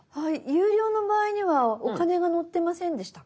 有料の場合にはお金が載ってませんでしたっけ？